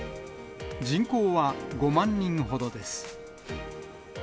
人口は５万人ほどです。